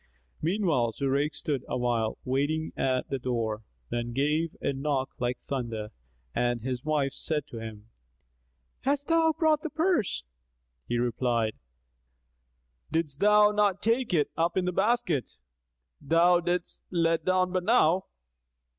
Meanwhile Zurayk stood awhile, waiting at the door, then gave a knock like thunder and his wife said to him, "Hast thou brought the purse?" He replied, "Didst thou not take it up in the basket thou diddest let down but now?"